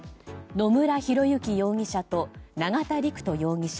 野村広之容疑者と永田陸人容疑者。